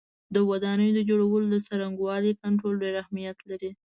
د ودانیو د جوړولو د څرنګوالي کنټرول ډېر اهمیت لري.